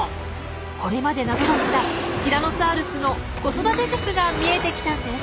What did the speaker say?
これまで謎だったティラノサウルスの子育て術が見えてきたんです！